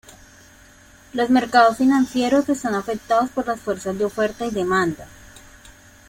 Los mercados financieros están afectados por las fuerzas de oferta y demanda.